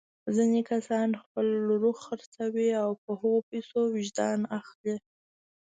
ځینې کسان خپل روح خرڅوي او په هغو پیسو وجدان اخلي.